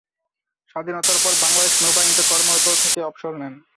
স্বাধীনতার পর বাংলাদেশ নৌবাহিনীতে কর্মরত থেকে অবসর নেন।